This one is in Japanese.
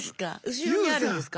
後ろにあるんですか？